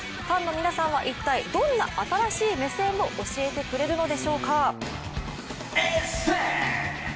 ファンの皆さんは一体、どんな新しい目線を教えてくれるのでしょうか。